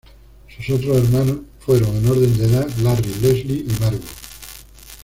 Sus otros hermanos fueron, en orden de edad, Larry, Leslie y Margo.